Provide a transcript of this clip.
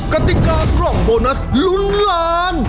กติกากล่องโบนัสลุ้นล้าน